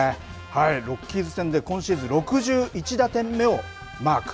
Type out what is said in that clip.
ロッキーズ戦で、今シーズン６１打点目をマーク。